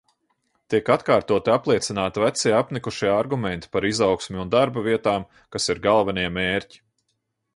Tiek atkārtoti apliecināti vecie apnikušie argumenti par izaugsmi un darbavietām, kas ir galvenie mērķi.